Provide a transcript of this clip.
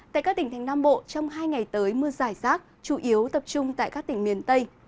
tại các tỉnh thành nam bộ trong hai ngày tới mưa giải rác chủ yếu tập trung tại các tỉnh miền tây